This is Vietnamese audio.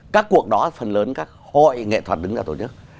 các cuộc đó phần lớn các hội nghệ thuật đứng ra tổ chức